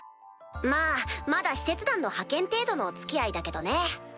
まぁまだ使節団の派遣程度のお付き合いだけどね。